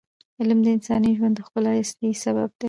علم د انساني ژوند د ښکلا اصلي سبب دی.